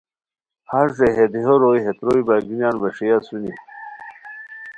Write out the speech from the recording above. ہَݰ رے ہے دیہو روئے ہے تروئے برارگینیان ویݰئے اسونی